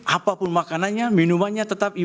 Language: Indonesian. apapun makanannya minumannya tetap ibadah